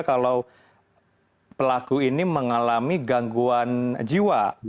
kalau pelaku ini mengalami gangguan jiwa